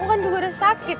aku kan juga udah sakit